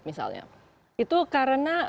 misalnya itu karena